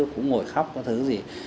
cũng ngồi khóc có thứ gì